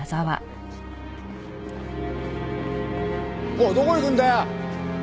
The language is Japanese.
おいどこ行くんだよ！